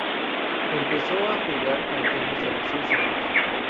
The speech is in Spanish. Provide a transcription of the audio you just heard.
Empezó a jugar al tenis a los seis años.